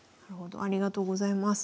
ありがとうございます。